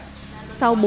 sau bốn tháng trồng